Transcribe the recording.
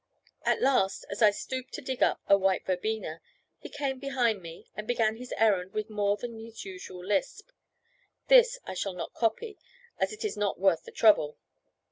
At last, as I stooped to dig up a white verbena, he came behind me, and began his errand with more than his usual lisp. This I shall not copy, as it is not worth the trouble.